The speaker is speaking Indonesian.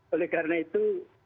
oleh karena itu